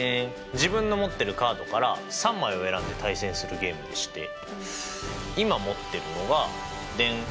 自分の持ってるカードから３枚を選んで対戦するゲームでして今持ってるのがデン！